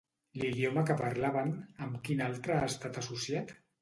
L'idioma que parlaven, amb quin altre ha estat associat?